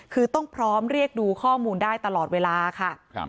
คือต้องพร้อมเรียกดูข้อมูลได้ตลอดเวลาค่ะ